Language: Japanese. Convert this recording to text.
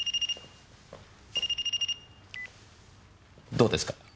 どうですか？